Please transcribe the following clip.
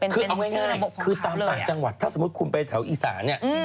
ใช่คือทางแต่จังหวัดถ้าคุณไปแถวอีสาเนี่ย